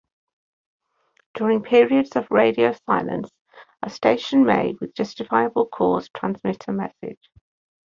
During periods of radio silence a station may, with justifiable cause, transmit a message.